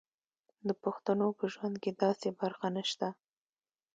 د پښتنو په ژوند کې داسې برخه نشته.